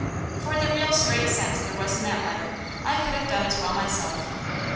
For the real straight sense there was in that letter, I could have done as well myself.